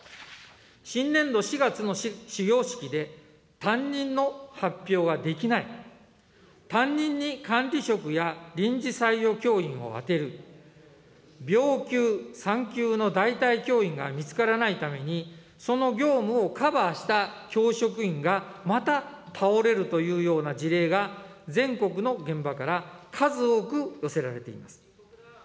新年度４月の始業式で、担任の発表ができない、担任に管理職や臨時採用教員を充てる、病休、産休の代替教員が見つからないために、その業務をカバーした教職員がまた倒れるというような事例が全国の現場から数多く寄せられています。